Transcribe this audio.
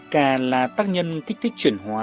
cà là tác nhân kích thích chuyển hóa